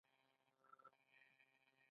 موږ د خپل تاریخ یوه برخه خوندي کوو.